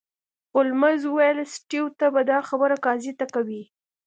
هولمز وویل سټیو ته به دا خبره قاضي ته کوې